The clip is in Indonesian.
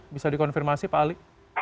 bisa dikonfirmasi pak ali